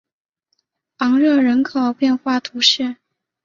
昂热人口变化图示